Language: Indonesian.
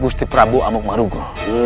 gusti prabu amukmarugo